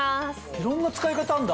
いろんな使い方あるんだ？